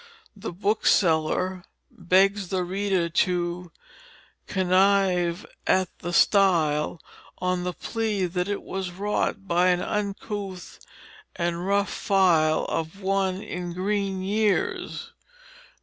The bookseller begs the reader to "connive at the stile," on the plea that it was "wrought by an uncouth and rough file of one in green years."